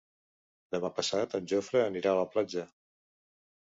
Demà passat en Jofre anirà a la platja.